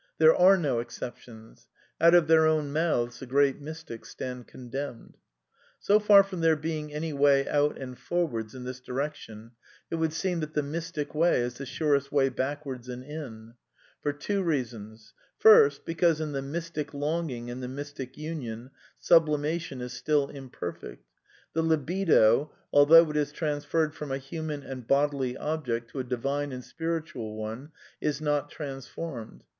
There are no exceptions. Out of their own mouths the great mystics stand condemned. So far from there being any way out and forwards in this direction, it would seem that the Mystic Way is the surest way backwards and in. For two reasons, l^ixsst; because in the mystic longing and the mystic union Sub limation is still imperfect. The " libido," although it is transferred from a human and bodily object to a divine and spiritual one, is not transformed.